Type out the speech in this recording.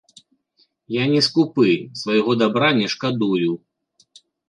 Я не скупы, свайго дабра не шкадую.